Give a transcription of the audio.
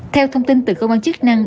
theo thông tin từ công an chức năng